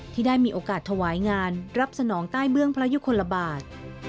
ที่ได้มีโอกาสถวายงานรับสนองใต้เบื้องพระยุคลบาท